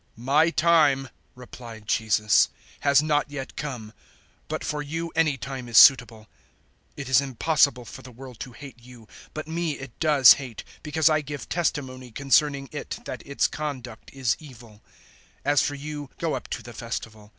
007:006 "My time," replied Jesus, "has not yet come, but for you any time is suitable. 007:007 It is impossible for the world to hate you; but me it does hate, because I give testimony concerning it that its conduct is evil. 007:008 As for you, go up to the Festival.